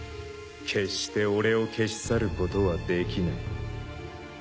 決して俺を消し去ることはできない。